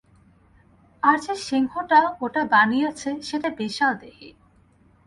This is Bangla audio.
আর যে সিংহটা ওটা বানিয়েছে সেটা বিশালদেহী।